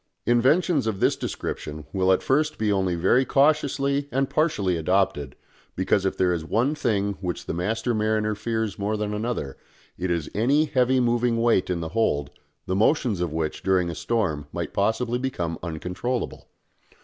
Inventions of this description will at first be only very cautiously and partially adopted, because if there is one thing which the master mariner fears more than another it is any heavy moving weight in the hold, the motions of which during a storm might possibly become uncontrollable.